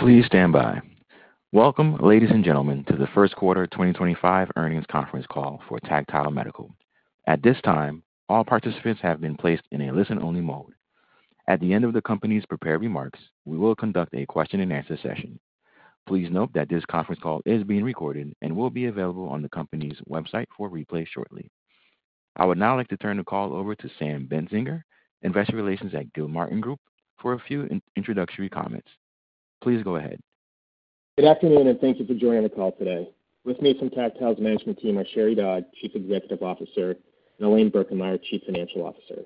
Please stand by. Welcome, ladies and gentlemen, to the first quarter 2025 earnings conference call for Tactile Medical. At this time, all participants have been placed in a listen-only mode. At the end of the company's prepared remarks, we will conduct a question-and-answer session. Please note that this conference call is being recorded and will be available on the company's website for replay shortly. I would now like to turn the call over to Sam Bentzinger, Investor Relations at Gilmartin Group, for a few introductory comments. Please go ahead. Good afternoon, and thank you for joining the call today. With me from Tactile's management team are Sheri Dodd, Chief Executive Officer, and Elaine Birkemeyer, Chief Financial Officer.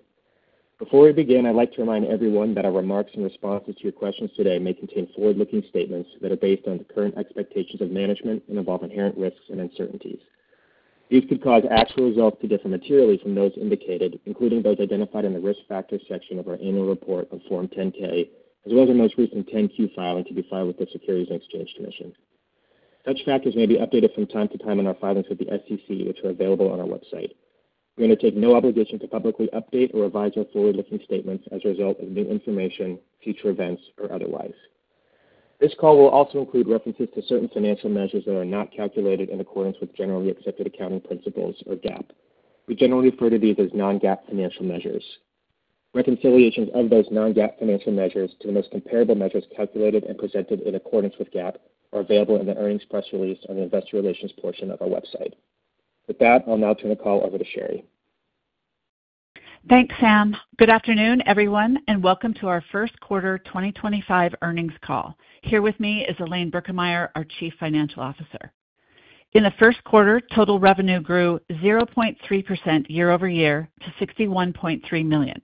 Before we begin, I'd like to remind everyone that our remarks and responses to your questions today may contain forward-looking statements that are based on the current expectations of management and involve inherent risks and uncertainties. These could cause actual results to differ materially from those indicated, including those identified in the risk factor section of our annual report on Form 10-K, as well as our most recent 10-Q filing to be filed with the Securities and Exchange Commission. Such factors may be updated from time to time in our filings with the SEC, which are available on our website. We undertake no obligation to publicly update or revise our forward-looking statements as a result of new information, future events, or otherwise. This call will also include references to certain financial measures that are not calculated in accordance with generally accepted accounting principles, or GAAP. We generally refer to these as non-GAAP financial measures. Reconciliations of those non-GAAP financial measures to the most comparable measures calculated and presented in accordance with GAAP are available in the earnings press release on the Investor Relations portion of our website. With that, I'll now turn the call over to Sheri. Thanks, Sam. Good afternoon, everyone, and welcome to our first quarter 2025 earnings call. Here with me is Elaine Birkemeyer, our Chief Financial Officer. In the first quarter, total revenue grew 0.3% year-over-year to $61.3 million.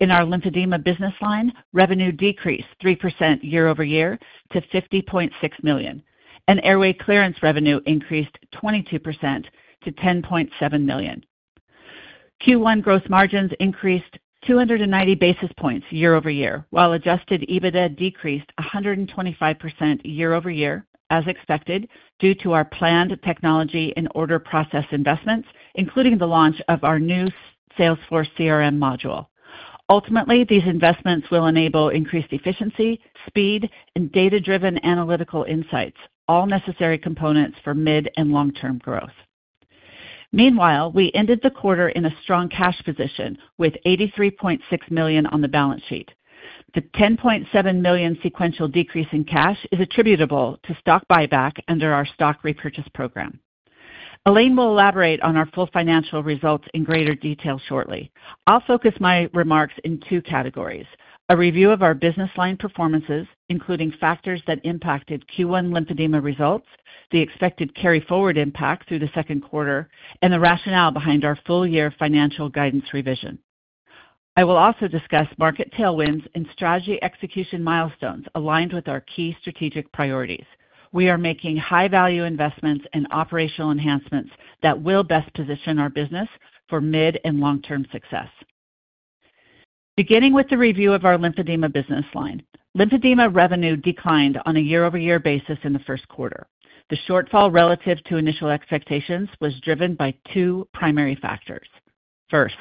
In our lymphedema business line, revenue decreased 3% year-over-year to $50.6 million. Airway clearance revenue increased 22% to $10.7 million. Q1 gross margins increased 290 basis points year-over-year, while adjusted EBITDA decreased 125% year-over-year, as expected, due to our planned technology and order process investments, including the launch of our new Salesforce CRM module. Ultimately, these investments will enable increased efficiency, speed, and data-driven analytical insights, all necessary components for mid and long-term growth. Meanwhile, we ended the quarter in a strong cash position with $83.6 million on the balance sheet. The $10.7 million sequential decrease in cash is attributable to stock buyback under our stock repurchase program. Elaine will elaborate on our full financial results in greater detail shortly. I'll focus my remarks in two categories: a review of our business line performances, including factors that impacted Q1 lymphedema results, the expected carry-forward impact through the second quarter, and the rationale behind our full-year financial guidance revision. I will also discuss market tailwinds and strategy execution milestones aligned with our key strategic priorities. We are making high-value investments and operational enhancements that will best position our business for mid and long-term success. Beginning with the review of our lymphedema business line, lymphedema revenue declined on a year-over-year basis in the first quarter. The shortfall relative to initial expectations was driven by two primary factors. First,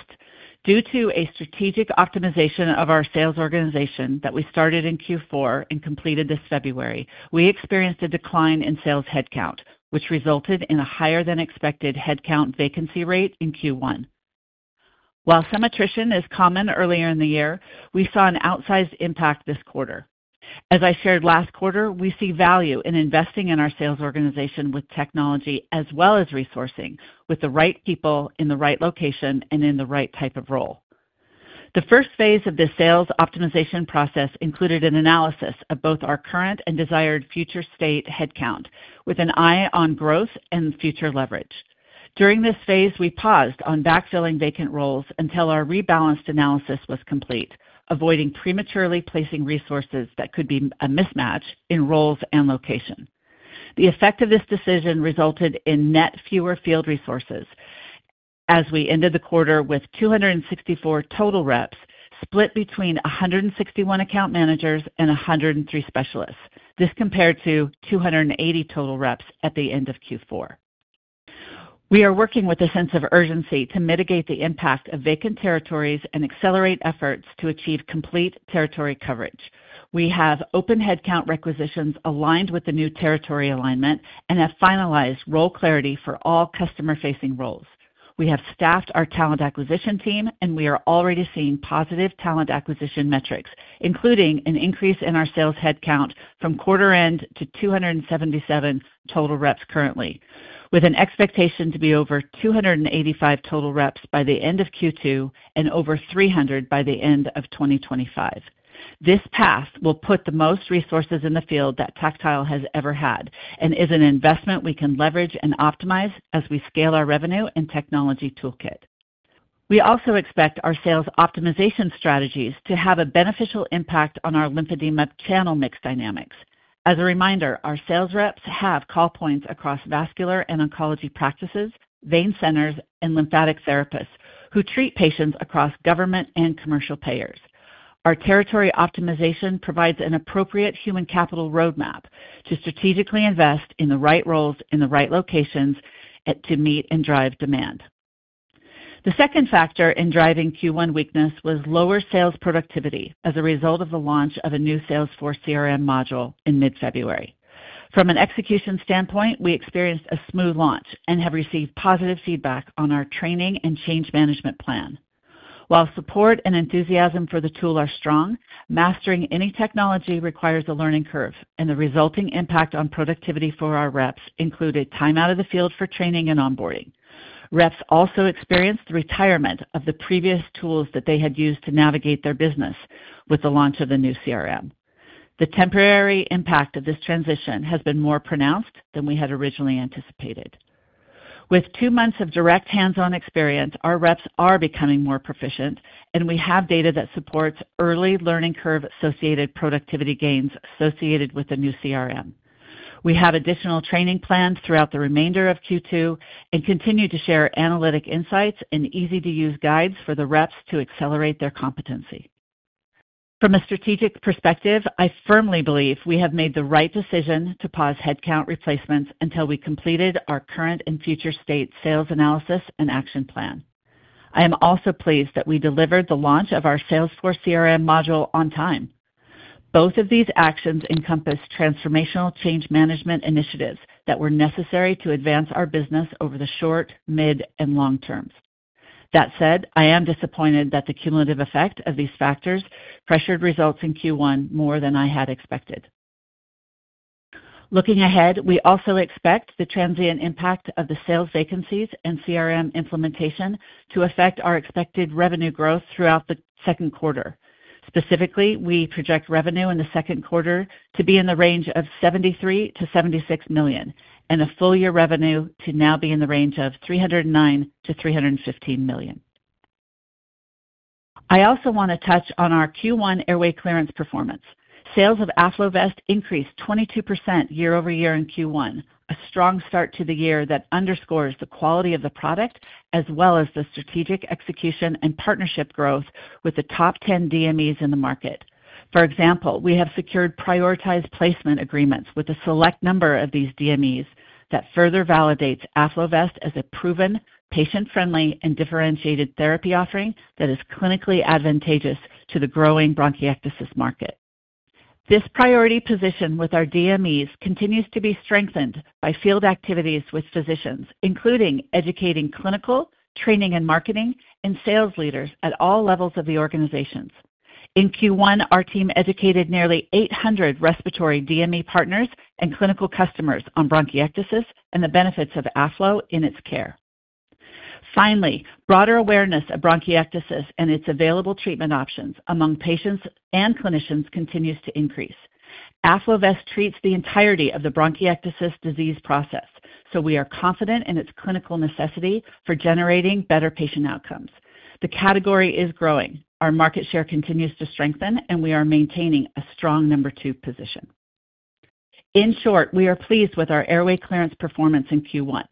due to a strategic optimization of our sales organization that we started in Q4 and completed this February, we experienced a decline in sales headcount, which resulted in a higher-than-expected headcount vacancy rate in Q1. While some attrition is common earlier in the year, we saw an outsized impact this quarter. As I shared last quarter, we see value in investing in our sales organization with technology as well as resourcing, with the right people in the right location and in the right type of role. The first phase of the sales optimization process included an analysis of both our current and desired future state headcount, with an eye on growth and future leverage. During this phase, we paused on backfilling vacant roles until our rebalanced analysis was complete, avoiding prematurely placing resources that could be a mismatch in roles and location. The effect of this decision resulted in net fewer field resources as we ended the quarter with 264 total reps split between 161 account managers and 103 specialists. This compared to 280 total reps at the end of Q4. We are working with a sense of urgency to mitigate the impact of vacant territories and accelerate efforts to achieve complete territory coverage. We have open headcount requisitions aligned with the new territory alignment and have finalized role clarity for all customer-facing roles. We have staffed our talent acquisition team, and we are already seeing positive talent acquisition metrics, including an increase in our sales headcount from quarter-end to 277 total reps currently, with an expectation to be over 285 total reps by the end of Q2 and over 300 by the end of 2025. This path will put the most resources in the field that Tactile has ever had and is an investment we can leverage and optimize as we scale our revenue and technology toolkit. We also expect our sales optimization strategies to have a beneficial impact on our lymphedema channel mix dynamics. As a reminder, our sales reps have call points across vascular and oncology practices, vein centers, and lymphatic therapists who treat patients across government and commercial payers. Our territory optimization provides an appropriate human capital roadmap to strategically invest in the right roles in the right locations to meet and drive demand. The second factor in driving Q1 weakness was lower sales productivity as a result of the launch of a new Salesforce CRM module in mid-February. From an execution standpoint, we experienced a smooth launch and have received positive feedback on our training and change management plan. While support and enthusiasm for the tool are strong, mastering any technology requires a learning curve, and the resulting impact on productivity for our reps included time out of the field for training and onboarding. Reps also experienced the retirement of the previous tools that they had used to navigate their business with the launch of the new CRM. The temporary impact of this transition has been more pronounced than we had originally anticipated. With two months of direct hands-on experience, our reps are becoming more proficient, and we have data that supports early learning curve-associated productivity gains associated with the new CRM. We have additional training planned throughout the remainder of Q2 and continue to share analytic insights and easy-to-use guides for the reps to accelerate their competency. From a strategic perspective, I firmly believe we have made the right decision to pause headcount replacements until we completed our current and future state sales analysis and action plan. I am also pleased that we delivered the launch of our Salesforce CRM module on time. Both of these actions encompass transformational change management initiatives that were necessary to advance our business over the short, mid, and long terms. That said, I am disappointed that the cumulative effect of these factors pressured results in Q1 more than I had expected. Looking ahead, we also expect the transient impact of the sales vacancies and CRM implementation to affect our expected revenue growth throughout the second quarter. Specifically, we project revenue in the second quarter to be in the range of $73 million-$76 million and a full-year revenue to now be in the range of $309 million-$315 million. I also want to touch on our Q1 airway clearance performance. Sales of AffloVest increased 22% year-over-year in Q1, a strong start to the year that underscores the quality of the product as well as the strategic execution and partnership growth with the top 10 DMEs in the market. For example, we have secured prioritized placement agreements with a select number of these DMEs that further validates AffloVest as a proven, patient-friendly, and differentiated therapy offering that is clinically advantageous to the growing bronchiectasis market. This priority position with our DMEs continues to be strengthened by field activities with physicians, including educating clinical, training, and marketing and sales leaders at all levels of the organizations. In Q1, our team educated nearly 800 respiratory DME partners and clinical customers on bronchiectasis and the benefits of AffloVest in its care. Finally, broader awareness of bronchiectasis and its available treatment options among patients and clinicians continues to increase. AffloVest treats the entirety of the bronchiectasis disease process, so we are confident in its clinical necessity for generating better patient outcomes. The category is growing, our market share continues to strengthen, and we are maintaining a strong number two position. In short, we are pleased with our airway clearance performance in Q1.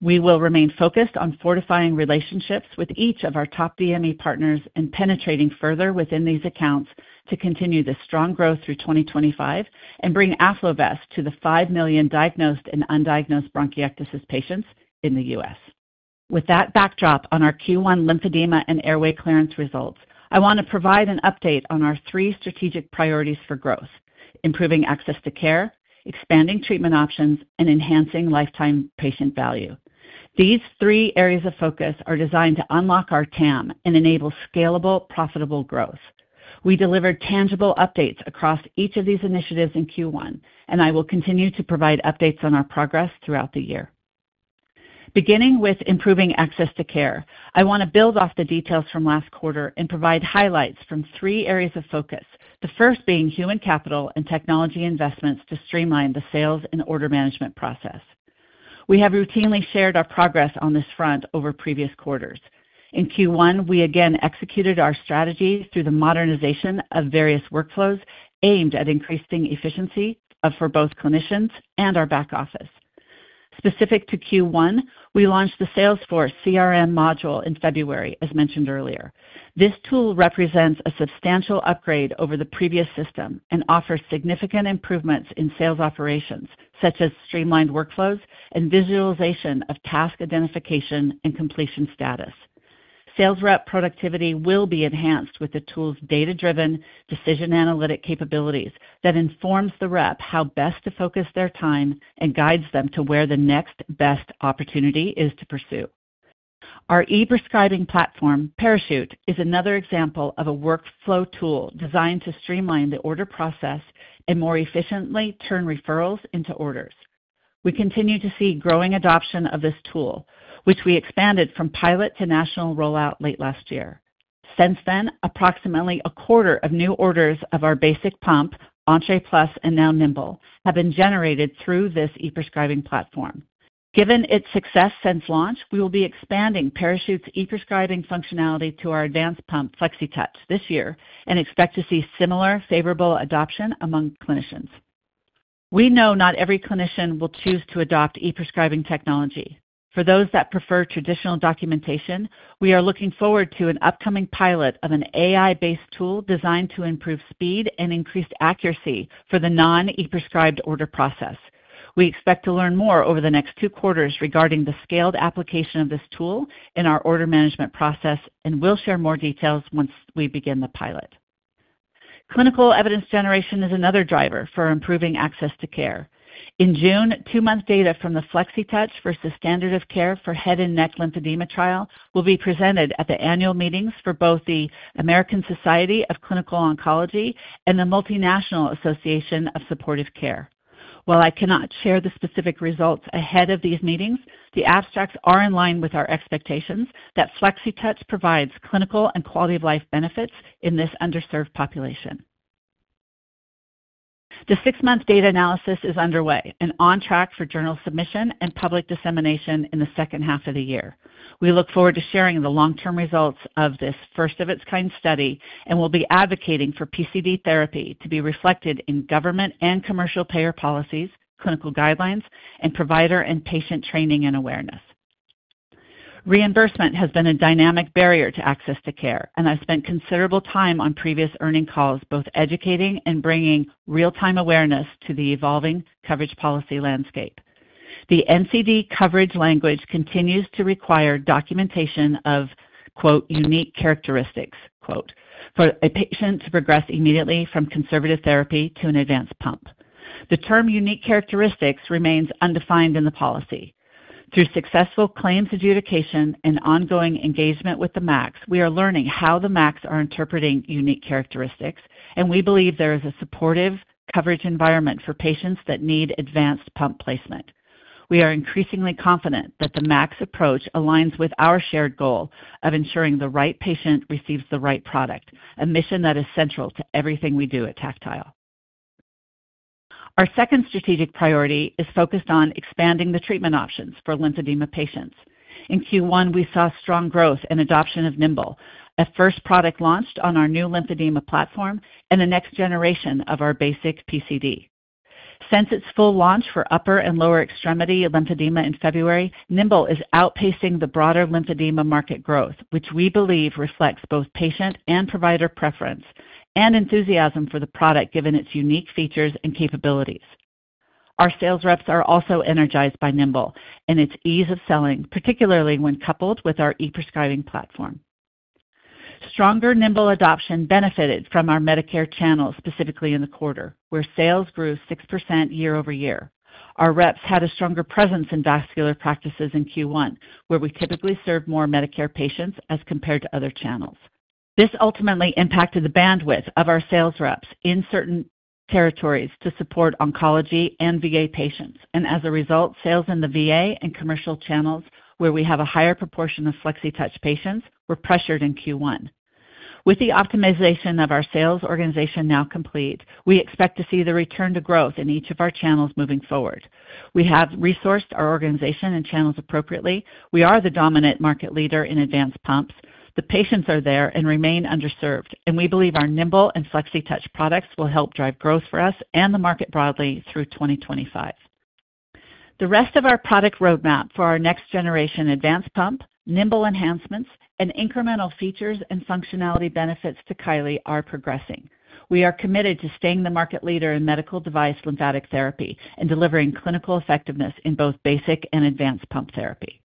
We will remain focused on fortifying relationships with each of our top DME partners and penetrating further within these accounts to continue the strong growth through 2025 and bring AffloVest to the 5 million diagnosed and undiagnosed bronchiectasis patients in the U.S., With that backdrop on our Q1 lymphedema and airway clearance results, I want to provide an update on our three strategic priorities for growth: improving access to care, expanding treatment options, and enhancing lifetime patient value. These three areas of focus are designed to unlock our TAM and enable scalable, profitable growth. We delivered tangible updates across each of these initiatives in Q1, and I will continue to provide updates on our progress throughout the year. Beginning with improving access to care, I want to build off the details from last quarter and provide highlights from three areas of focus, the first being human capital and technology investments to streamline the sales and order management process. We have routinely shared our progress on this front over previous quarters. In Q1, we again executed our strategy through the modernization of various workflows aimed at increasing efficiency for both clinicians and our back office. Specific to Q1, we launched the Salesforce CRM module in February, as mentioned earlier. This tool represents a substantial upgrade over the previous system and offers significant improvements in sales operations, such as streamlined workflows and visualization of task identification and completion status. Sales rep productivity will be enhanced with the tool's data-driven decision analytic capabilities that informs the rep how best to focus their time and guides them to where the next best opportunity is to pursue. Our e-prescribing platform, Parachute, is another example of a workflow tool designed to streamline the order process and more efficiently turn referrals into orders. We continue to see growing adoption of this tool, which we expanded from pilot to national rollout late last year. Since then, approximately a quarter of new orders of our basic pump, Entré Plus, and now Nimbl have been generated through this e-prescribing platform. Given its success since launch, we will be expanding Parachute's e-prescribing functionality to our advanced pump, Flexitouch, this year and expect to see similar favorable adoption among clinicians. We know not every clinician will choose to adopt e-prescribing technology. For those that prefer traditional documentation, we are looking forward to an upcoming pilot of an AI-based tool designed to improve speed and increased accuracy for the non-e-prescribed order process. We expect to learn more over the next two quarters regarding the scaled application of this tool in our order management process and will share more details once we begin the pilot. Clinical evidence generation is another driver for improving access to care. In June, two-month data from the Flexitouch versus standard of care for head and neck lymphedema trial will be presented at the annual meetings for both the American Society of Clinical Oncology and the Multinational Association of Supportive Care. While I cannot share the specific results ahead of these meetings, the abstracts are in line with our expectations that Flexitouch provides clinical and quality-of-life benefits in this underserved population. The six-month data analysis is underway and on track for journal submission and public dissemination in the second half of the year. We look forward to sharing the long-term results of this first-of-its-kind study and will be advocating for PCD therapy to be reflected in government and commercial payer policies, clinical guidelines, and provider and patient training and awareness. Reimbursement has been a dynamic barrier to access to care, and I've spent considerable time on previous earnings calls both educating and bringing real-time awareness to the evolving coverage policy landscape. The NCD coverage language continues to require documentation of "unique characteristics" for a patient to progress immediately from conservative therapy to an advanced pump. The term "unique characteristics" remains undefined in the policy. Through successful claims adjudication and ongoing engagement with the MACs, we are learning how the MACs are interpreting unique characteristics, and we believe there is a supportive coverage environment for patients that need advanced pump placement. We are increasingly confident that the MACs approach aligns with our shared goal of ensuring the right patient receives the right product, a mission that is central to everything we do at Tactile. Our second strategic priority is focused on expanding the treatment options for lymphedema patients. In Q1, we saw strong growth and adoption of Nimbl, a first product launched on our new lymphedema platform and the next generation of our basic PCD. Since its full launch for upper and lower extremity lymphedema in February, Nimbl is outpacing the broader lymphedema market growth, which we believe reflects both patient and provider preference and enthusiasm for the product given its unique features and capabilities. Our sales reps are also energized by Nimbl and its ease of selling, particularly when coupled with our e-prescribing platform. Stronger Nimbl adoption benefited from our Medicare channel specifically in the quarter, where sales grew 6% year-over-year. Our reps had a stronger presence in vascular practices in Q1, where we typically serve more Medicare patients as compared to other channels. This ultimately impacted the bandwidth of our sales reps in certain territories to support oncology and VA patients, and as a result, sales in the VA and commercial channels, where we have a higher proportion of Flexitouch patients, were pressured in Q1. With the optimization of our sales organization now complete, we expect to see the return to growth in each of our channels moving forward. We have resourced our organization and channels appropriately. We are the dominant market leader in advanced pumps. The patients are there and remain underserved, and we believe our Nimbl and Flexitouch products will help drive growth for us and the market broadly through 2025. The rest of our product roadmap for our next-generation advanced pump, Nimbl enhancements, and incremental features and functionality benefits to Kylee are progressing. We are committed to staying the market leader in medical device lymphatic therapy and delivering clinical effectiveness in both basic and advanced pump therapy.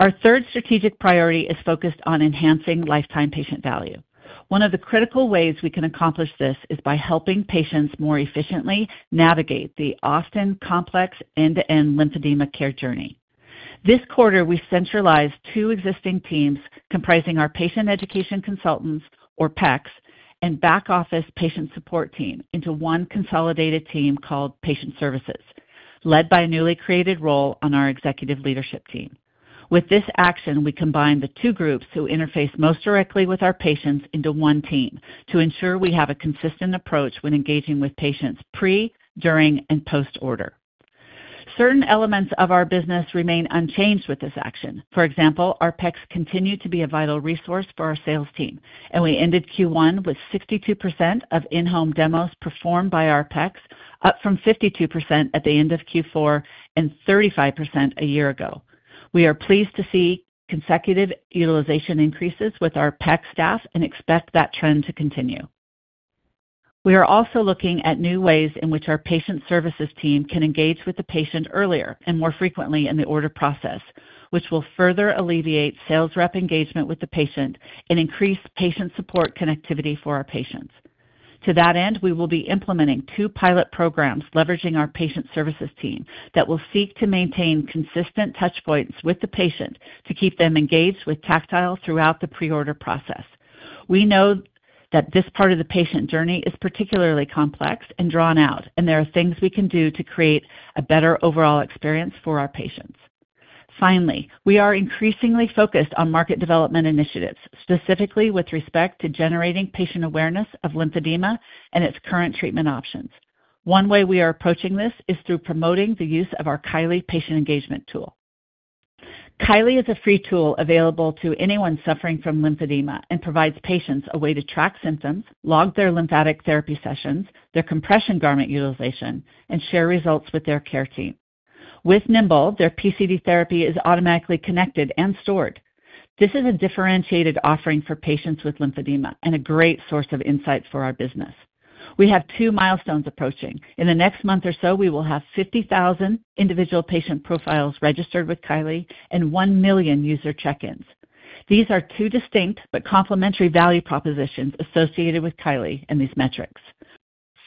Our third strategic priority is focused on enhancing lifetime patient value. One of the critical ways we can accomplish this is by helping patients more efficiently navigate the often complex end-to-end lymphedema care journey. This quarter, we centralized two existing teams comprising our patient education consultants, or PECs, and back office patient support team into one consolidated team called Patient Services, led by a newly created role on our executive leadership team. With this action, we combined the two groups who interface most directly with our patients into one team to ensure we have a consistent approach when engaging with patients pre, during, and post-order. Certain elements of our business remain unchanged with this action. For example, our PECs continue to be a vital resource for our sales team, and we ended Q1 with 62% of in-home demos performed by our PECs, up from 52% at the end of Q4 and 35% a year ago. We are pleased to see consecutive utilization increases with our PEC staff and expect that trend to continue. We are also looking at new ways in which our Patient Services Team can engage with the patient earlier and more frequently in the order process, which will further alleviate sales rep engagement with the patient and increase patient support connectivity for our patients. To that end, we will be implementing two pilot programs leveraging our Patient Services Team that will seek to maintain consistent touchpoints with the patient to keep them engaged with Tactile throughout the pre-order process. We know that this part of the patient journey is particularly complex and drawn out, and there are things we can do to create a better overall experience for our patients. Finally, we are increasingly focused on market development initiatives, specifically with respect to generating patient awareness of lymphedema and its current treatment options. One way we are approaching this is through promoting the use of our Kylee patient engagement tool. Kylee is a free tool available to anyone suffering from lymphedema and provides patients a way to track symptoms, log their lymphatic therapy sessions, their compression garment utilization, and share results with their care team. With Nimbl, their PCD therapy is automatically connected and stored. This is a differentiated offering for patients with lymphedema and a great source of insights for our business. We have two milestones approaching. In the next month or so, we will have 50,000 individual patient profiles registered with Kylee and 1 million user check-ins. These are two distinct but complementary value propositions associated with Kylee and these metrics.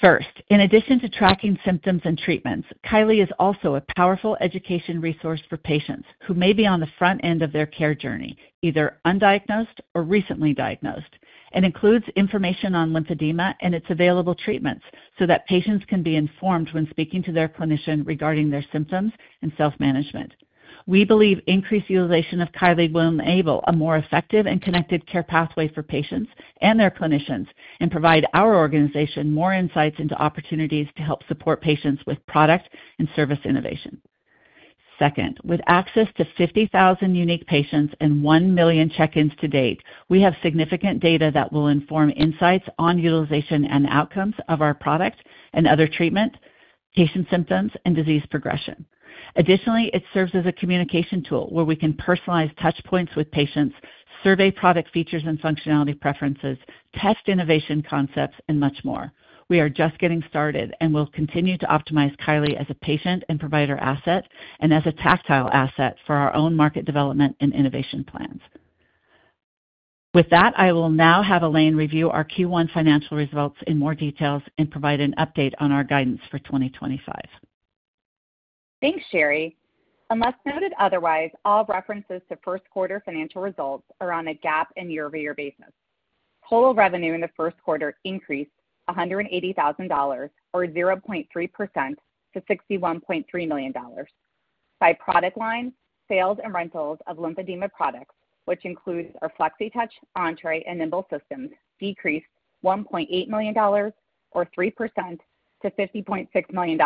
First, in addition to tracking symptoms and treatments, Kylee is also a powerful education resource for patients who may be on the front end of their care journey, either undiagnosed or recently diagnosed, and includes information on lymphedema and its available treatments so that patients can be informed when speaking to their clinician regarding their symptoms and self-management. We believe increased utilization of Kylee will enable a more effective and connected care pathway for patients and their clinicians and provide our organization more insights into opportunities to help support patients with product and service innovation. Second, with access to 50,000 unique patients and 1 million check-ins to date, we have significant data that will inform insights on utilization and outcomes of our product and other treatment, patient symptoms, and disease progression. Additionally, it serves as a communication tool where we can personalize touchpoints with patients, survey product features and functionality preferences, test innovation concepts, and much more. We are just getting started and will continue to optimize Kylee as a patient and provider asset and as a Tactile asset for our own market development and innovation plans. With that, I will now have Elaine review our Q1 financial results in more detail and provide an update on our guidance for 2025. Thanks, Sheri. Unless noted otherwise, all references to first-quarter financial results are on a GAAP and year-over-year basis. Total revenue in the first quarter increased $180,000 or 0.3% to $61.3 million. By product line, sales and rentals of lymphedema products, which includes our Flexitouch, Entré, and Nimbl systems, decreased $1.8 million or 3% to $50.6 million.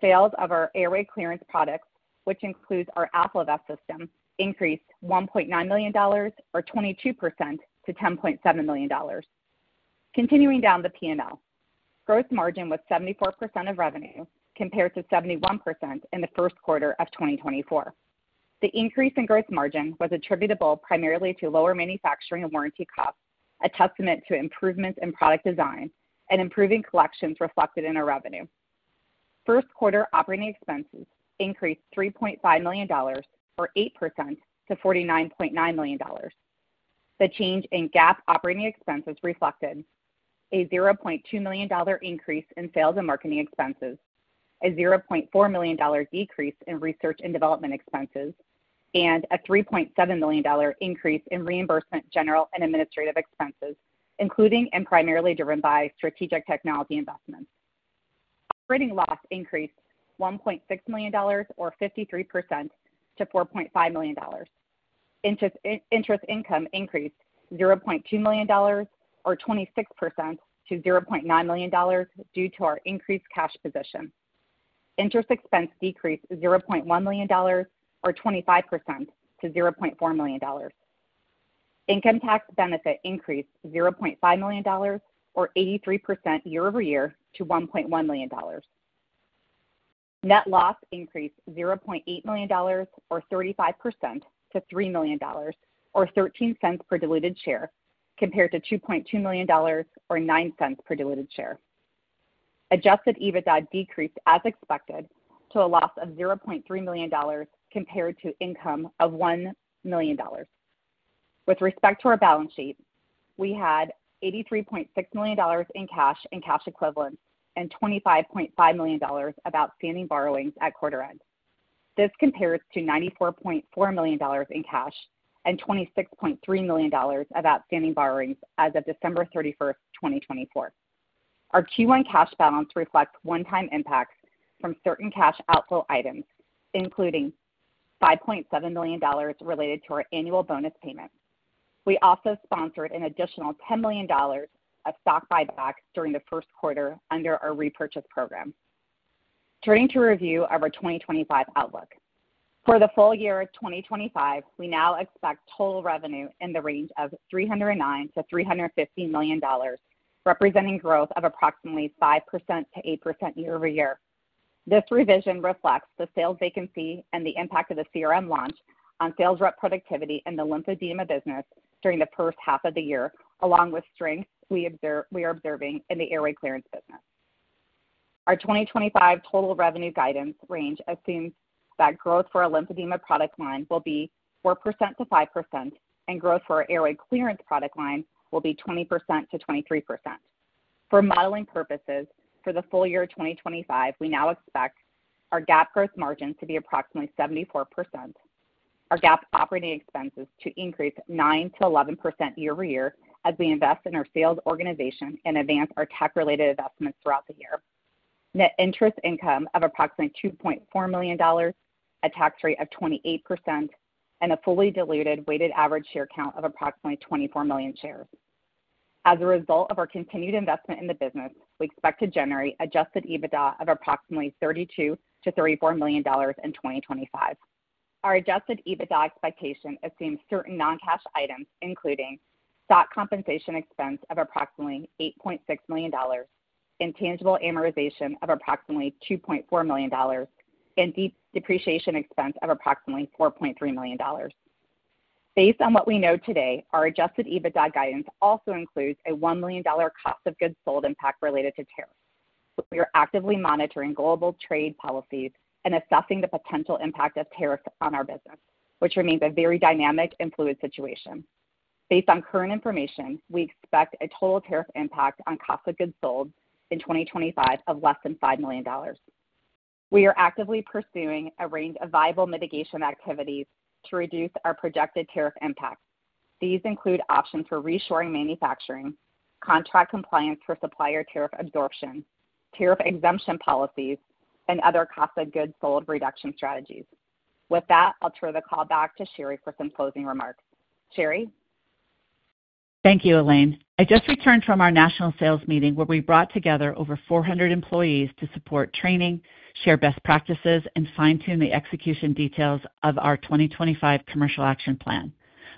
Sales of our airway clearance products, which includes our AffloVest system, increased $1.9 million or 22% to $10.7 million. Continuing down the P&L, gross margin was 74% of revenue compared to 71% in the first quarter of 2024. The increase in gross margin was attributable primarily to lower manufacturing and warranty costs, a testament to improvements in product design and improving collections reflected in our revenue. First-quarter operating expenses increased $3.5 million or 8% to $49.9 million. The change in GAAP operating expenses reflected a $0.2 million increase in sales and marketing expenses, a $0.4 million decrease in research and development expenses, and a $3.7 million increase in reimbursement general and administrative expenses, including and primarily driven by strategic technology investments. Operating loss increased $1.6 million or 53% to $4.5 million. Interest income increased $0.2 million or 26% to $0.9 million due to our increased cash position. Interest expense decreased $0.1 million or 25% to $0.4 million. Income tax benefit increased $0.5 million or 83% year-over-year to $1.1 million. Net loss increased $0.8 million or 35% to $3 million or 13 cents per diluted share compared to $2.2 million or 9 cents per diluted share. Adjusted EBITDA decreased as expected to a loss of $0.3 million compared to income of $1 million. With respect to our balance sheet, we had $83.6 million in cash and cash equivalents and $25.5 million of outstanding borrowings at quarter end. This compares to $94.4 million in cash and $26.3 million of outstanding borrowings as of December 31, 2024. Our Q1 cash balance reflects one-time impacts from certain cash outflow items, including $5.7 million related to our annual bonus payment. We also sponsored an additional $10 million of stock buyback during the first quarter under our repurchase program. Turning to review of our 2025 outlook. For the full year of 2025, we now expect total revenue in the range of $309 million-$350 million, representing growth of approximately 5%-8% year-over-year. This revision reflects the sales vacancy and the impact of the CRM launch on sales rep productivity in the lymphedema business during the first half of the year, along with strengths we are observing in the airway clearance business. Our 2025 total revenue guidance range assumes that growth for our lymphedema product line will be 4%-5%, and growth for our airway clearance product line will be 20%-23%. For modeling purposes for the full year of 2025, we now expect our GAAP gross margin to be approximately 74%. Our GAAP operating expenses to increase 9%-11% year-over-year as we invest in our sales organization and advance our tech-related investments throughout the year. Net interest income of approximately $2.4 million, a tax rate of 28%, and a fully diluted weighted average share count of approximately 24 million shares. As a result of our continued investment in the business, we expect to generate adjusted EBITDA of approximately $32 million-$34 million in 2025. Our adjusted EBITDA expectation assumes certain non-cash items, including stock compensation expense of approximately $8.6 million, intangible amortization of approximately $2.4 million, and depreciation expense of approximately $4.3 million. Based on what we know today, our adjusted EBITDA guidance also includes a $1 million cost of goods sold impact related to tariffs. We are actively monitoring global trade policies and assessing the potential impact of tariffs on our business, which remains a very dynamic and fluid situation. Based on current information, we expect a total tariff impact on cost of goods sold in 2025 of less than $5 million. We are actively pursuing a range of viable mitigation activities to reduce our projected tariff impact. These include options for reshoring manufacturing, contract compliance for supplier tariff absorption, tariff exemption policies, and other cost of goods sold reduction strategies. With that, I'll turn the call back to Sheri for some closing remarks. Sheri? Thank you, Elaine. I just returned from our national sales meeting where we brought together over 400 employees to support training, share best practices, and fine-tune the execution details of our 2025 commercial action plan.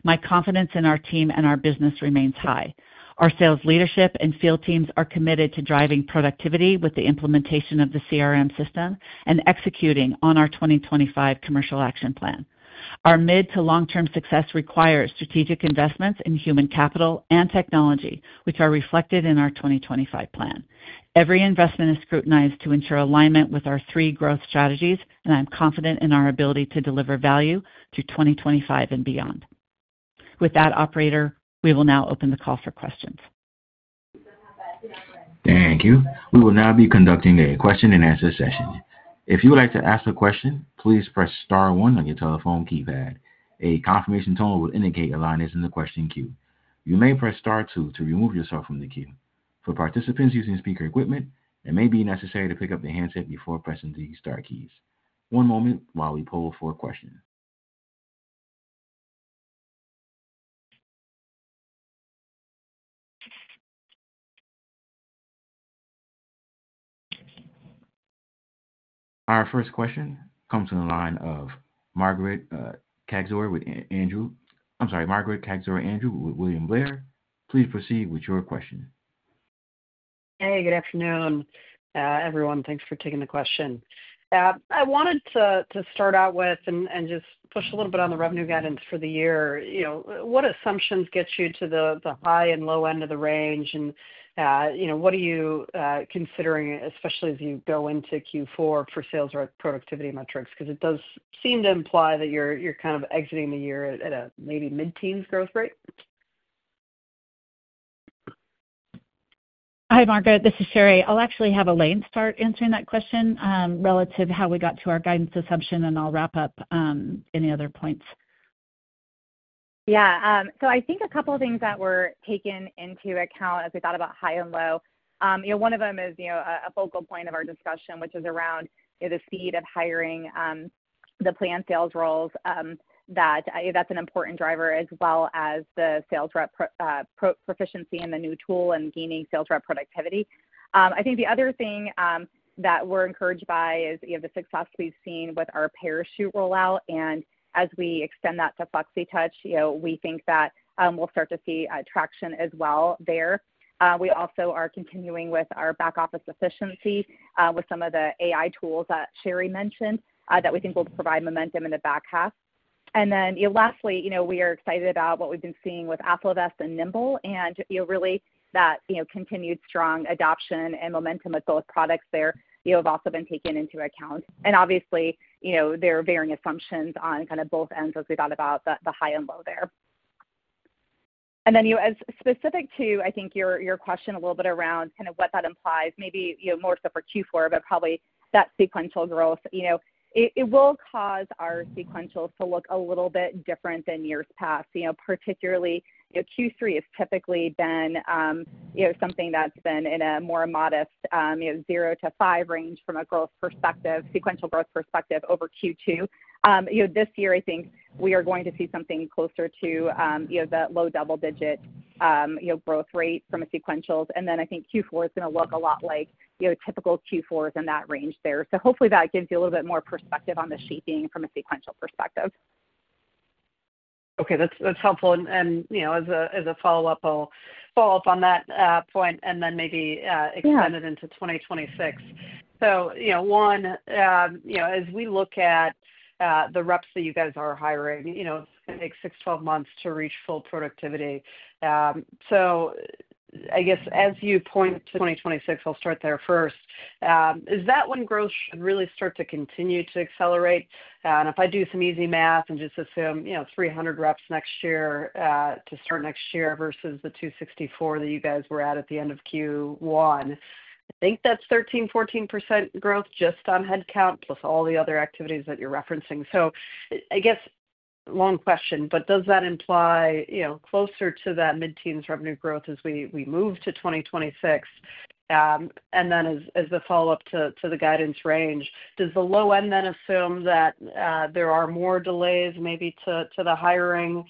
My confidence in our team and our business remains high. Our sales leadership and field teams are committed to driving productivity with the implementation of the CRM system and executing on our 2025 commercial action plan. Our mid- to long-term success requires strategic investments in human capital and technology, which are reflected in our 2025 plan. Every investment is scrutinized to ensure alignment with our three growth strategies, and I'm confident in our ability to deliver value through 2025 and beyond. With that, operator, we will now open the call for questions. Thank you. We will now be conducting a question-and-answer session. If you would like to ask a question, please press star one on your telephone keypad. A confirmation tone will indicate a line is in the question queue. You may press star two to remove yourself from the queue. For participants using speaker equipment, it may be necessary to pick up the handset before pressing the star keys. One moment while we pull for questions. Our first question comes from the line of Margaret Kaczor with Andrew. I'm sorry, Margaret Kaczor Andrew with William Blair. Please proceed with your question. Hey, good afternoon, everyone. Thanks for taking the question. I wanted to start out with and just push a little bit on the revenue guidance for the year. What assumptions get you to the high and low end of the range? What are you considering, especially as you go into Q4 for sales rep productivity metrics? Because it does seem to imply that you're kind of exiting the year at a maybe mid-teens growth rate. Hi, Margaret. This is Sheri. I'll actually have Elaine start answering that question relative to how we got to our guidance assumption, and I'll wrap up any other points. Yeah. I think a couple of things that were taken into account as we thought about high and low. One of them is a focal point of our discussion, which is around the speed of hiring the planned sales roles. That's an important driver, as well as the sales rep proficiency in the new tool and gaining sales rep productivity. I think the other thing that we're encouraged by is the success we've seen with our Parachute rollout. As we extend that to Flexitouch, we think that we'll start to see traction as well there. We also are continuing with our back-office efficiency with some of the AI tools that Sheri mentioned that we think will provide momentum in the back half. Lastly, we are excited about what we've been seeing with AffloVest and Nimbl. Really, that continued strong adoption and momentum with both products there have also been taken into account. Obviously, there are varying assumptions on kind of both ends as we thought about the high and low there. Specific to, I think, your question a little bit around kind of what that implies, maybe more so for Q4, but probably that sequential growth. It will cause our sequentials to look a little bit different than years past, particularly Q3 has typically been something that's been in a more modest 0%-5% range from a growth perspective, sequential growth perspective over Q2. This year, I think we are going to see something closer to the low double-digit growth rate from a sequentials. I think Q4 is going to look a lot like typical Q4s in that range there. Hopefully, that gives you a little bit more perspective on the shaping from a sequential perspective. Okay. That's helpful. As a follow-up, I'll follow up on that point and then maybe extend it into 2026. One, as we look at the reps that you guys are hiring, it's going to take six, 12 months to reach full productivity. I guess as you point to 2026, I'll start there first. Is that when growth should really start to continue to accelerate? If I do some easy math and just assume 300 reps next year to start next year versus the 264 that you guys were at at the end of Q1, I think that's 13-14% growth just on headcount plus all the other activities that you're referencing. I guess long question, but does that imply closer to that mid-teens revenue growth as we move to 2026? As a follow-up to the guidance range, does the low end then assume that there are more delays maybe to the hiring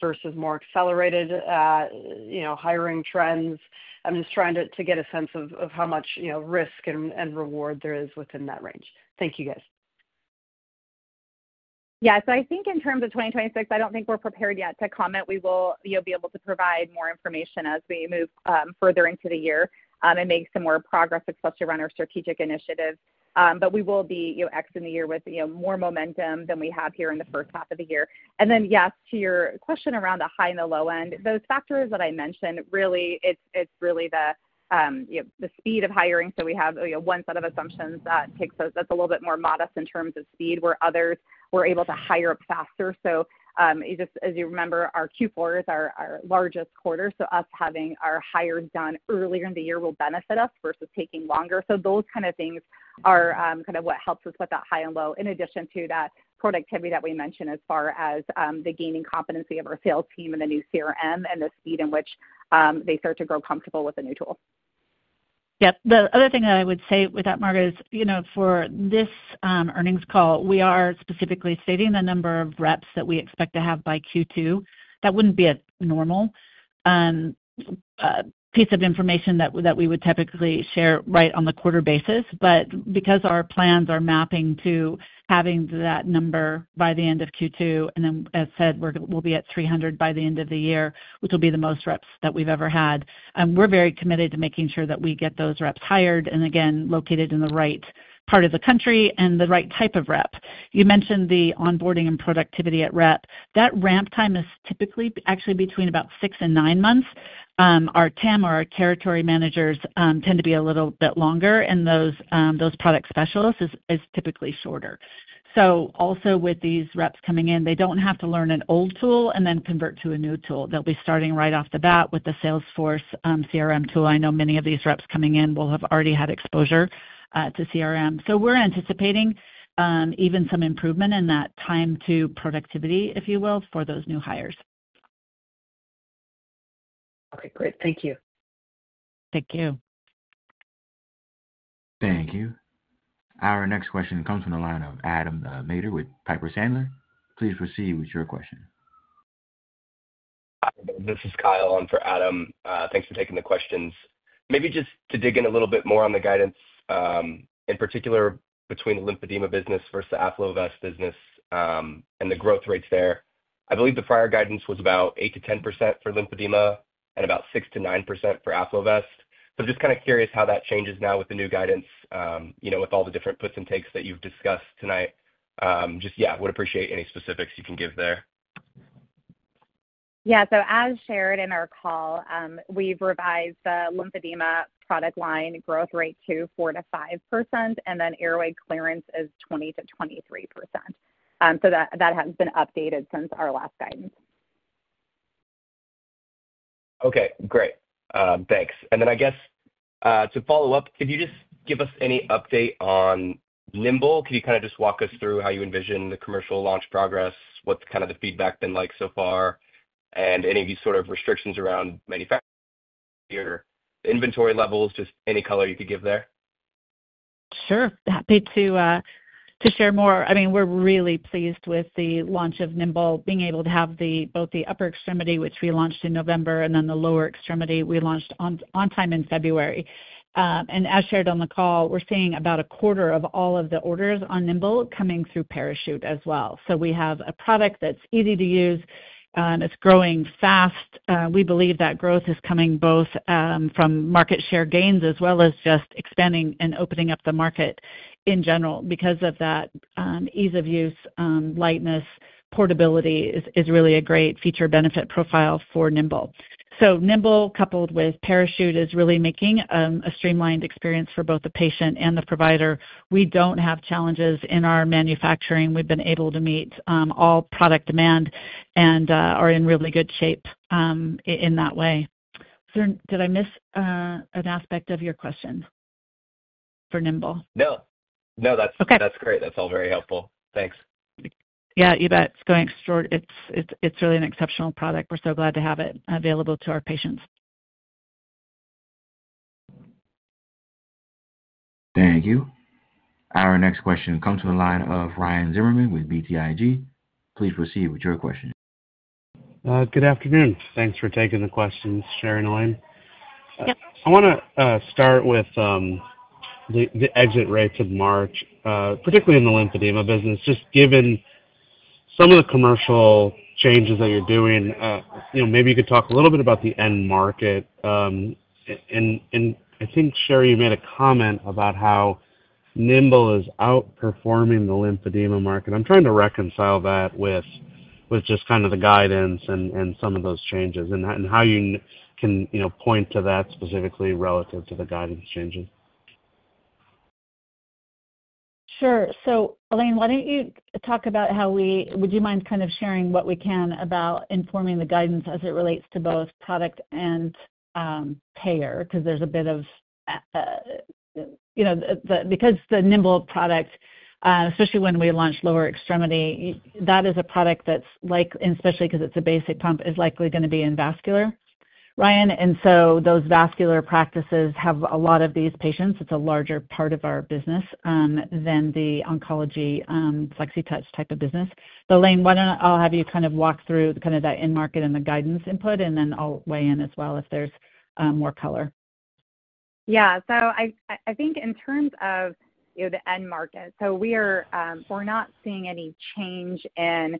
versus more accelerated hiring trends? I'm just trying to get a sense of how much risk and reward there is within that range. Thank you, guys. Yeah. I think in terms of 2026, I don't think we're prepared yet to comment. We will be able to provide more information as we move further into the year and make some more progress, especially around our strategic initiatives. We will be exiting the year with more momentum than we have here in the first half of the year. Yes, to your question around the high and the low end, those factors that I mentioned, really, it's really the speed of hiring. We have one set of assumptions that takes us a little bit more modest in terms of speed, where others were able to hire up faster. Just as you remember, our Q4 is our largest quarter. Us having our hires done earlier in the year will benefit us versus taking longer. Those kind of things are kind of what helps us with that high and low, in addition to that productivity that we mentioned as far as the gaining competency of our sales team and the new CRM and the speed in which they start to grow comfortable with the new tool. Yep. The other thing I would say with that, Margaret, is for this earnings call, we are specifically stating the number of reps that we expect to have by Q2. That would not be a normal piece of information that we would typically share right on the quarter basis. Because our plans are mapping to having that number by the end of Q2, and, as said, we will be at 300 by the end of the year, which will be the most reps that we have ever had. We are very committed to making sure that we get those reps hired and, again, located in the right part of the country and the right type of rep. You mentioned the onboarding and productivity at rep. That ramp time is typically actually between about six and nine months. Our TAM or our territory managers tend to be a little bit longer, and those product specialists is typically shorter. Also, with these reps coming in, they do not have to learn an old tool and then convert to a new tool. They will be starting right off the bat with the Salesforce CRM tool. I know many of these reps coming in will have already had exposure to CRM. We are anticipating even some improvement in that time to productivity, if you will, for those new hires. Okay. Great. Thank you. Thank you. Thank you. Our next question comes from the line of Adam Maeder with Piper Sandler. Please proceed with your question. This is Kyle. I am for Adam. Thanks for taking the questions. Maybe just to dig in a little bit more on the guidance, in particular between the lymphedema business versus the AffloVest business and the growth rates there. I believe the prior guidance was about 8%-10% for lymphedema and about 6%-9% for AffloVest. So I'm just kind of curious how that changes now with the new guidance, with all the different puts and takes that you've discussed tonight. Just, yeah, would appreciate any specifics you can give there. Yeah. As shared in our call, we've revised the lymphedema product line growth rate to 4%-5%, and then airway clearance is 20%-23%. That has been updated since our last guidance. Okay. Great. Thanks. I guess to follow up, could you just give us any update on Nimbl? Could you kind of just walk us through how you envision the commercial launch progress? What's kind of the feedback been like so far? Any of these sort of restrictions around manufacturing or inventory levels, just any color you could give there? Sure. Happy to share more. I mean, we're really pleased with the launch of Nimbl, being able to have both the upper extremity, which we launched in November, and then the lower extremity we launched on time in February. As shared on the call, we're seeing about a quarter of all of the orders on Nimbl coming through Parachute as well. We have a product that's easy to use. It's growing fast. We believe that growth is coming both from market share gains as well as just expanding and opening up the market in general because of that ease of use, lightness, portability is really a great feature benefit profile for Nimbl. Nimbl coupled with Parachute is really making a streamlined experience for both the patient and the provider. We do not have challenges in our manufacturing. We have been able to meet all product demand and are in really good shape in that way. Did I miss an aspect of your question for Nimbl? No. No, that is great. That is all very helpful. Thanks. Yeah, you bet. It is really an exceptional product. We are so glad to have it available to our patients. Thank you. Our next question comes from the line of Ryan Zimmerman with BTIG. Please proceed with your question. Good afternoon. Thanks for taking the questions, Sheri and Elaine. I want to start with the exit rates of March, particularly in the lymphedema business, just given some of the commercial changes that you're doing. Maybe you could talk a little bit about the end market. I think, Sheri, you made a comment about how Nimbl is outperforming the lymphedema market. I'm trying to reconcile that with just kind of the guidance and some of those changes and how you can point to that specifically relative to the guidance changes. Sure. Elaine, why don't you talk about how we—would you mind kind of sharing what we can about informing the guidance as it relates to both product and payer? Because there's a bit of—because the Nimbl product, especially when we launch lower extremity, that is a product that's like, and especially because it's a basic pump, is likely going to be in vascular, Ryan. Those vascular practices have a lot of these patients. It's a larger part of our business than the oncology Flexitouch type of business. Elaine, why don't I have you kind of walk through that end market and the guidance input, and then I'll weigh in as well if there's more color. Yeah. I think in terms of the end market, we're not seeing any change in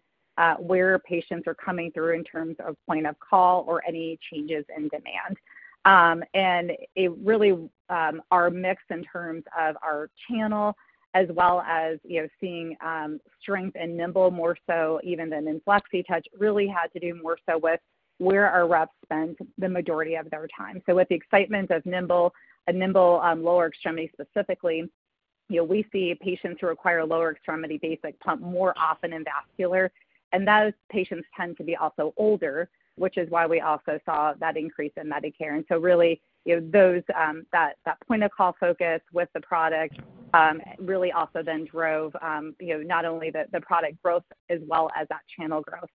where patients are coming through in terms of point of call or any changes in demand. Really, our mix in terms of our channel, as well as seeing strength in Nimbl more so even than in Flexitouch, really had to do more so with where our reps spend the majority of their time. With the excitement of Nimbl, Nimbl lower extremity specifically, we see patients who require lower extremity basic pump more often in vascular. Those patients tend to be also older, which is why we also saw that increase in Medicare. Really, that point of call focus with the product really also then drove not only the product growth as well as that channel growth.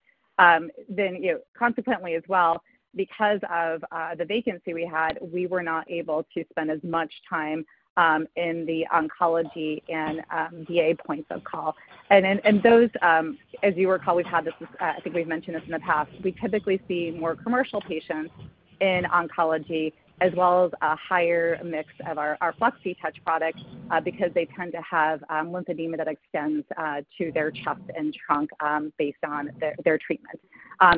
Consequently as well, because of the vacancy we had, we were not able to spend as much time in the oncology and VA points of call. Those, as you recall, we've had this—I think we've mentioned this in the past—we typically see more commercial patients in oncology as well as a higher mix of our Flexitouch product because they tend to have lymphedema that extends to their chest and trunk based on their treatment.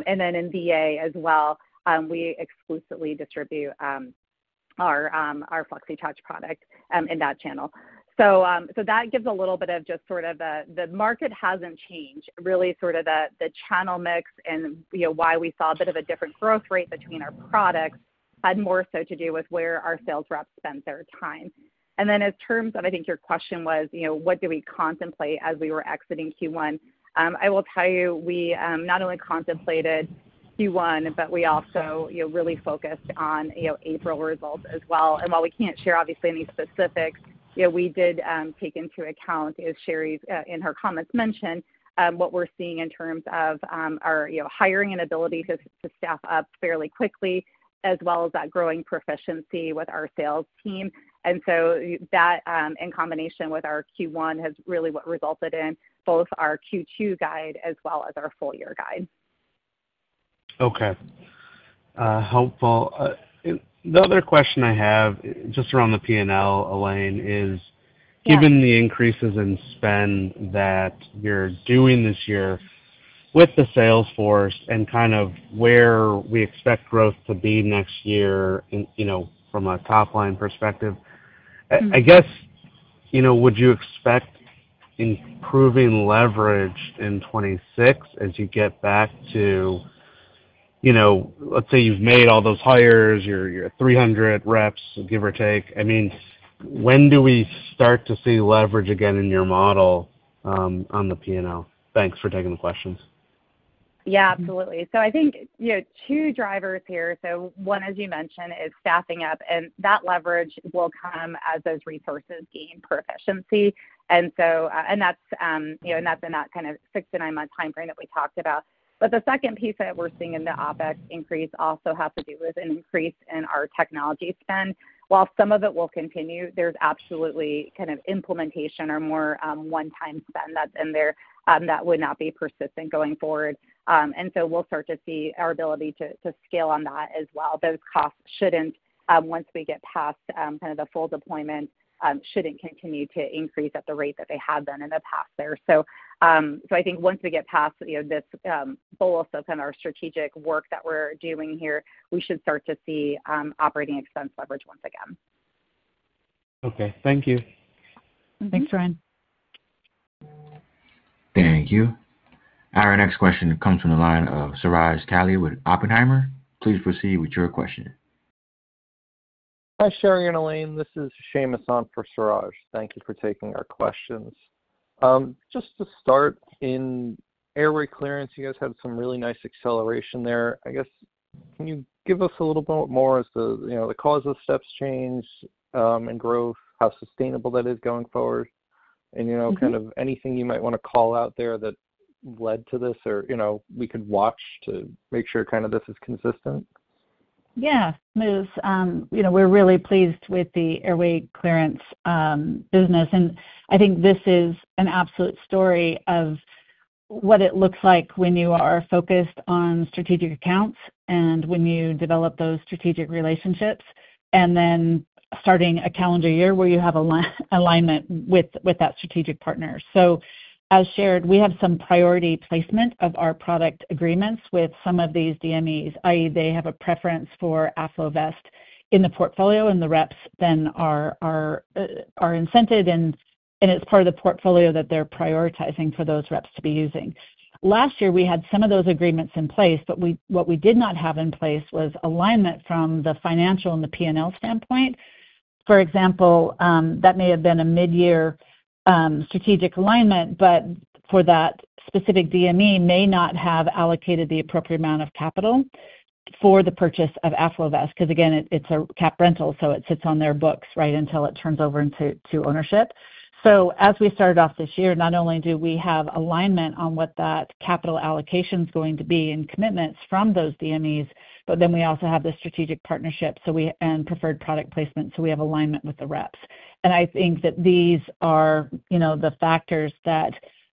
In VA as well, we exclusively distribute our Flexitouch product in that channel. That gives a little bit of just sort of the market hasn't changed, really sort of the channel mix and why we saw a bit of a different growth rate between our products had more so to do with where our sales reps spend their time. In terms of, I think your question was, what did we contemplate as we were exiting Q1? I will tell you, we not only contemplated Q1, but we also really focused on April results as well. While we can't share, obviously, any specifics, we did take into account, as Sheri in her comments mentioned, what we're seeing in terms of our hiring and ability to staff up fairly quickly, as well as that growing proficiency with our sales team. That, in combination with our Q1, has really what resulted in both our Q2 guide as well as our full year guide. Okay. Helpful. The other question I have just around the P&L, Elaine, is given the increases in spend that you're doing this year with the Salesforce and kind of where we expect growth to be next year from a top-line perspective, I guess, would you expect improving leverage in 2026 as you get back to, let's say, you've made all those hires, you're at 300 reps, give or take? I mean, when do we start to see leverage again in your model on the P&L? Thanks for taking the questions. Yeah, absolutely. I think two drivers here. One, as you mentioned, is staffing up. That leverage will come as those resources gain proficiency. That is in that kind of six to nine-month timeframe that we talked about. The second piece that we are seeing in the OpEx increase also has to do with an increase in our technology spend. While some of it will continue, there is absolutely kind of implementation or more one-time spend that is in there that would not be persistent going forward. We will start to see our ability to scale on that as well. Those costs should not, once we get past kind of the full deployment, continue to increase at the rate that they have been in the past. I think once we get past this goal of kind of our strategic work that we are doing here, we should start to see operating expense leverage once again. Thank you. Thanks, Ryan. Thank you. Our next question comes from the line of Suraj Kalia with Oppenheimer. Please proceed with your question. Hi, Sheri and Elaine. This is Shaymus on for Suraj. Thank you for taking our questions. Just to start, in airway clearance, you guys had some really nice acceleration there. I guess, can you give us a little bit more as to the cause of steps change and growth, how sustainable that is going forward? Kind of anything you might want to call out there that led to this or we could watch to make sure kind of this is consistent? Yeah. Shaymus. We're really pleased with the airway clearance business. I think this is an absolute story of what it looks like when you are focused on strategic accounts and when you develop those strategic relationships and then starting a calendar year where you have alignment with that strategic partner. As shared, we have some priority placement of our product agreements with some of these DMEs, i.e., they have a preference for AffloVest in the portfolio, and the reps then are incented, and it's part of the portfolio that they're prioritizing for those reps to be using. Last year, we had some of those agreements in place, but what we did not have in place was alignment from the financial and the P&L standpoint. For example, that may have been a mid-year strategic alignment, but for that specific DME may not have allocated the appropriate amount of capital for the purchase of AffloVest because, again, it's a cap rental, so it sits on their books right until it turns over into ownership. As we started off this year, not only do we have alignment on what that capital allocation is going to be and commitments from those DMEs, but we also have the strategic partnership and preferred product placement, so we have alignment with the reps. I think that these are the factors that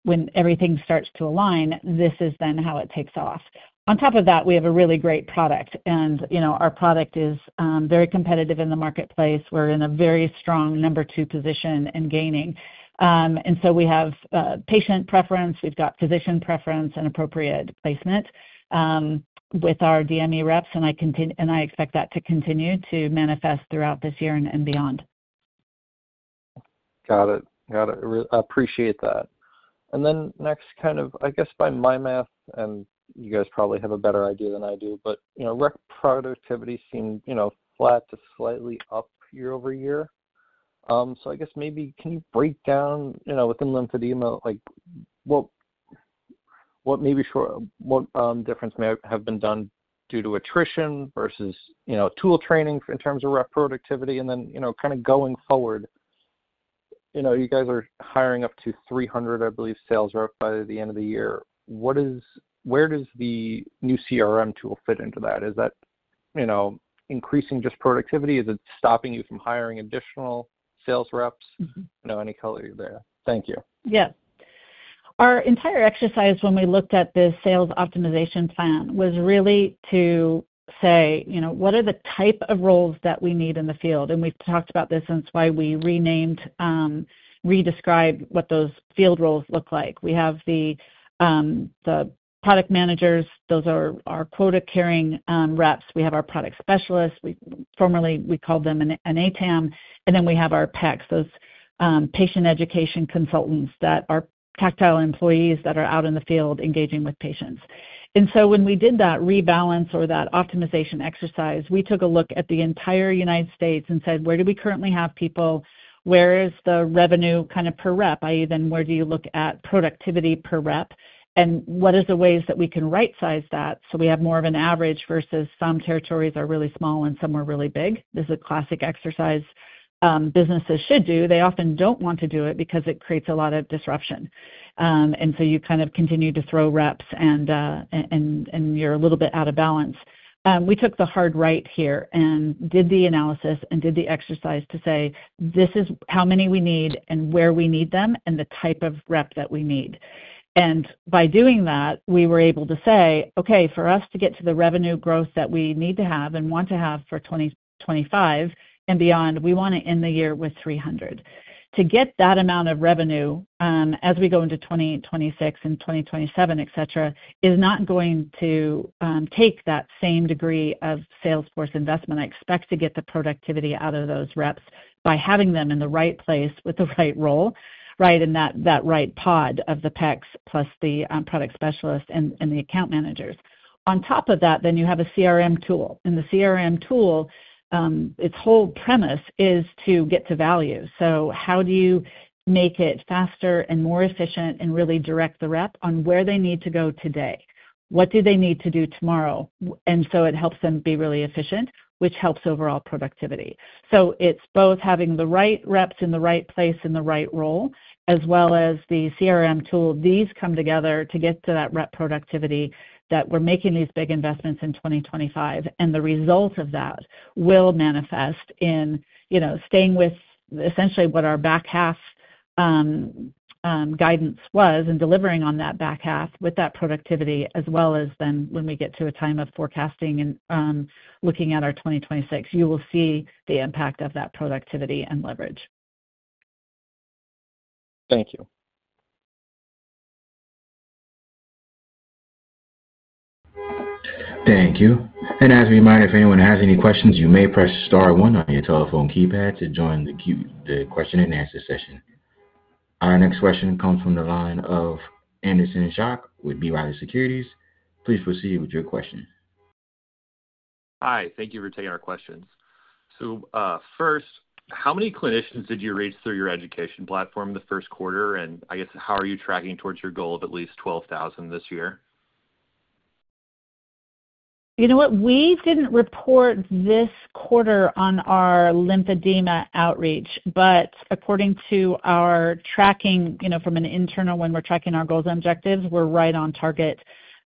when everything starts to align, this is then how it takes off. On top of that, we have a really great product. Our product is very competitive in the marketplace. We're in a very strong number two position and gaining. We have patient preference, we've got physician preference and appropriate placement with our DME reps, and I expect that to continue to manifest throughout this year and beyond. Got it. Got it. Appreciate that. Next, kind of, I guess, by my math, and you guys probably have a better idea than I do, but rep productivity seemed flat to slightly up year over year. I guess maybe can you break down, within lymphedema, what difference may have been done due to attrition versus tool training in terms of rep productivity? Kind of going forward, you guys are hiring up to 300, I believe, sales reps by the end of the year. Where does the new CRM tool fit into that? Is that increasing just productivity? Is it stopping you from hiring additional sales reps? Any color there. Thank you. Yeah. Our entire exercise, when we looked at the sales optimization plan, was really to say, what are the type of roles that we need in the field? We have talked about this, and it is why we renamed, redescribed what those field roles look like. We have the product managers. Those are our quota-carrying reps. We have our product specialists. Formerly, we called them an ATAM. We have our PECs, those patient education consultants that are Tactile employees that are out in the field engaging with patients. When we did that rebalance or that optimization exercise, we took a look at the entire United States and said, where do we currently have people? Where is the revenue kind of per rep? I mean, where do you look at productivity per rep? What are the ways that we can right-size that so we have more of an average versus some territories are really small and some are really big? This is a classic exercise businesses should do. They often don't want to do it because it creates a lot of disruption. You kind of continue to throw reps, and you're a little bit out of balance. We took the hard right here and did the analysis and did the exercise to say, this is how many we need and where we need them and the type of rep that we need. By doing that, we were able to say, okay, for us to get to the revenue growth that we need to have and want to have for 2025 and beyond, we want to end the year with 300 sales reps. To get that amount of revenue as we go into 2026 and 2027, etc., is not going to take that same degree of Salesforce investment. I expect to get the productivity out of those reps by having them in the right place with the right role, right, in that right pod of the PECs plus the product specialists and the account managers. On top of that, you have a CRM tool. The CRM tool, its whole premise is to get to value. How do you make it faster and more efficient and really direct the rep on where they need to go today? What do they need to do tomorrow? It helps them be really efficient, which helps overall productivity. It is both having the right reps in the right place in the right role, as well as the CRM tool. These come together to get to that rep productivity that we are making these big investments in 2025. The result of that will manifest in staying with essentially what our back half guidance was and delivering on that back half with that productivity, as well as then when we get to a time of forecasting and looking at our 2026, you will see the impact of that productivity and leverage. Thank you. Thank you. As a reminder, if anyone has any questions, you may press star one on your telephone keypad to join the question and answer session. Our next question comes from the line of Anderson Schock with B. Riley Securities. Please proceed with your question. Hi. Thank you for taking our questions. First, how many clinicians did you reach through your education platform the first quarter? I guess, how are you tracking towards your goal of at least 12,000 clinicians this year? You know what? We did not report this quarter on our lymphedema outreach, but according to our tracking from an internal when we are tracking our goals and objectives, we are right on target.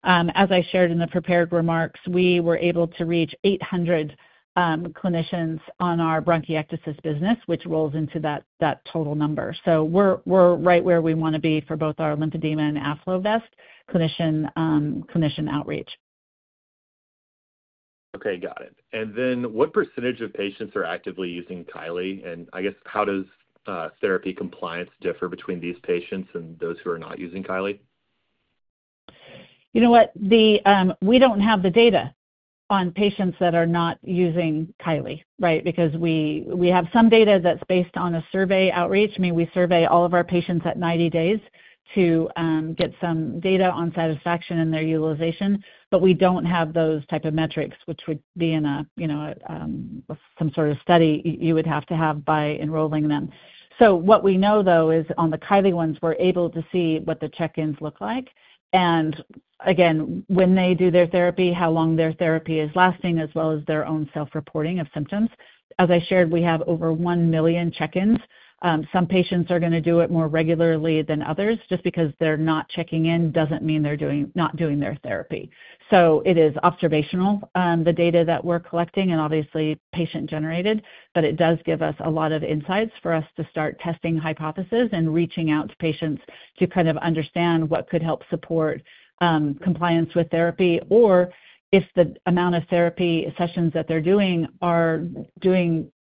As I shared in the prepared remarks, we were able to reach 800 clinicians on our bronchiectasis business, which rolls into that total number. We are right where we want to be for both our lymphedema and AffloVest clinician outreach. Okay. Got it. What percentage of patients are actively using Kylee? I guess, how does therapy compliance differ between these patients and those who are not using Kylee? You know what? We do not have the data on patients that are not using Kylee, right, because we have some data that is based on a survey outreach. I mean, we survey all of our patients at 90 days to get some data on satisfaction and their utilization, but we don't have those type of metrics, which would be in some sort of study you would have to have by enrolling them. What we know, though, is on the Kylee ones, we're able to see what the check-ins look like. Again, when they do their therapy, how long their therapy is lasting, as well as their own self-reporting of symptoms. As I shared, we have over 1 million check-ins. Some patients are going to do it more regularly than others. Just because they're not checking in doesn't mean they're not doing their therapy. It is observational, the data that we're collecting, and obviously patient-generated, but it does give us a lot of insights for us to start testing hypotheses and reaching out to patients to kind of understand what could help support compliance with therapy. If the amount of therapy sessions that they're doing are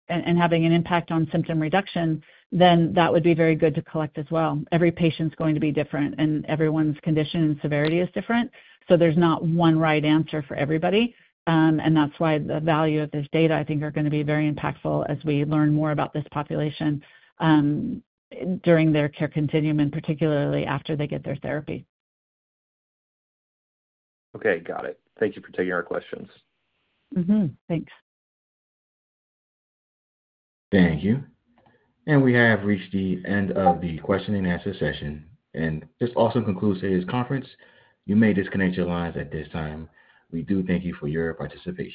having an impact on symptom reduction, then that would be very good to collect as well. Every patient's going to be different, and everyone's condition and severity is different. There's not one right answer for everybody. That's why the value of this data, I think, is going to be very impactful as we learn more about this population during their care continuum, and particularly after they get their therapy. Okay. Got it. Thank you for taking our questions. Thanks. Thank you. We have reached the end of the question and answer session. This also concludes today's conference. You may disconnect your lines at this time. We do thank you for your participation.